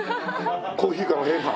コーヒーから絵が？